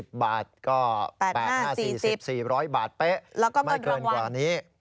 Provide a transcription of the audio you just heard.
ก็๘๕๔๐๔๐๐บาทเป๊ะไม่เกินกว่านี้แล้วก็เงินรางวัล